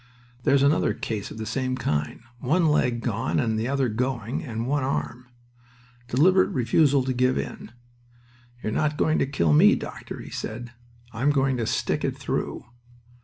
There's another case of the same kind; one leg gone and the other going, and one arm. Deliberate refusal to give in. 'You're not going to kill me, doctor,' he said. 'I'm going to stick it through.'